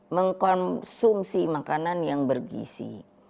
mengkonsumsi makanan yang bergisi